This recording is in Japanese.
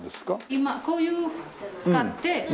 今こういう使って。